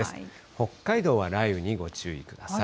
北海道は雷雨にご注意ください。